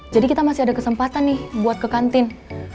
jadi kita masih ada kesempatan nih buat ke kantin